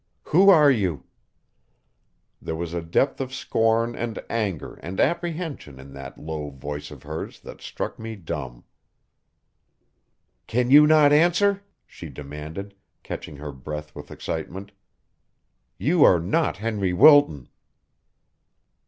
Who are you?" There was a depth of scorn and anger and apprehension in that low voice of hers that struck me dumb. "Can you not answer?" she demanded, catching her breath with excitement. "You are not Henry Wilton."